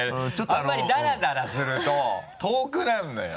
あんまりダラダラすると遠くなるのよ。